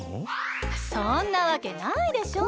そんなわけないでしょう。